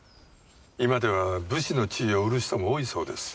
今では武士の地位を売る人も多いそうです。